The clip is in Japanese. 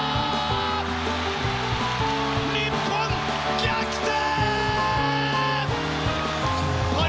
日本、逆転！